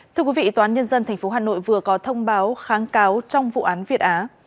thưa quý vị tòa án nhân dân tp hà nội vừa có thông báo kháng cáo trong vụ án việt á